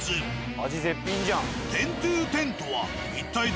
味絶品じゃん。